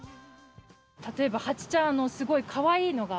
たとえばハチちゃんすごいかわいいのが。